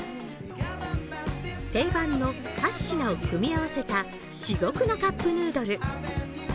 定番の８品を組み合わせた至極のカップヌードル。